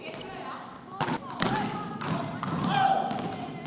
สุดท้ายสุดท้ายสุดท้าย